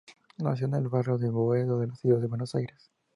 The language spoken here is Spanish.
Nació en el barrio de Boedo de la Ciudad de Buenos Aires.